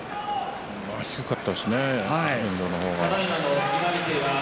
低かったですね遠藤の方が。